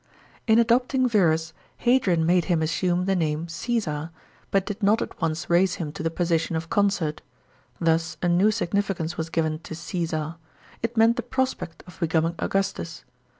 In adopting Verus, Hadrian made him assume the name Ceesar, but did not at once raise him to the position of consort. Thus a 186 138 A.D. LI UIUS VERUS. 517 new significance was given to Caesar; it meant the prospect of becoming Augustus.